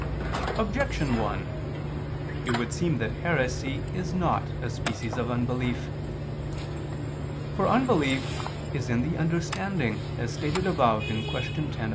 Objection 1: It would seem that heresy is not a species of unbelief. For unbelief is in the understanding, as stated above (Q. 10, A.